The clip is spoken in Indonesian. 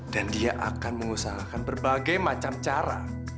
dan dia akan mengusahakan berbagai macam cara